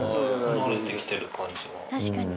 なれてきてる感じは。